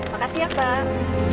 makasih ya pak